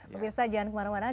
pemirsa jangan kemana mana